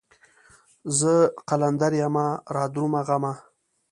زه قلندر يمه رادرومه غمه